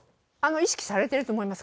意識されてると思います。